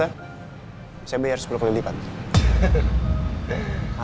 asalkan anda mengaku ini sebuah kebohongan